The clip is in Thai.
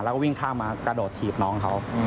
แล้วก็วิ่งข้ามมากระโดดถีบน้องเขา